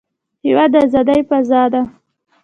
هېواد د ازادۍ فضا ده.